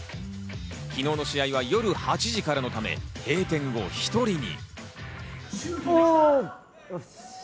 昨日の試合は夜８時からのため、閉店後は１人に。